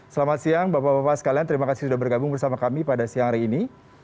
selamat siang bapak bapak sekalian terima kasih sudah bergabung bersama kami pada siang hari ini